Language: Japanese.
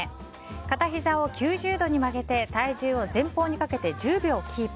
片ひざを９０度に曲げて体重を前方にかけて１０秒キープ。